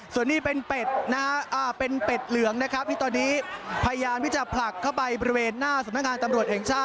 ส่วนนี้เป็นเป็ดเหลืองนะครับที่ตอนนี้พยายามที่จะผลักเข้าไปบริเวณหน้าสำนักงานตำรวจแห่งชาติ